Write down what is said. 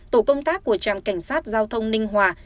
tổ công tác của trạm cảnh sát giao thông ninh hòa